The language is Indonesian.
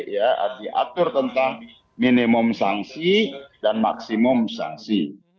ya diatur tentang minimum sanksi dan maksimum sanksi